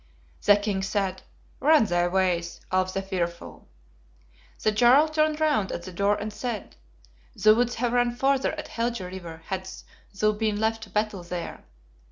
The King said, 'Run thy ways, Ulf the Fearful.' The Jarl turned round at the door and said, 'Thou wouldst have run farther at Helge river hadst thou been left to battle there.